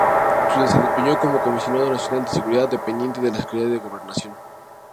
Se desempeñó como Comisionado Nacional de Seguridad, dependiente de la Secretaría de Gobernación.